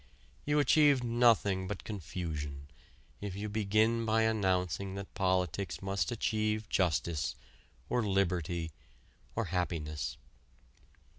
You achieve nothing but confusion if you begin by announcing that politics must achieve "justice" or "liberty" or "happiness."